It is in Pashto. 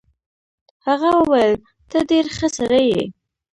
هغه وویل ته ډېر ښه سړی یې.